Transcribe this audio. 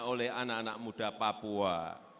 oleh anak anak muda papua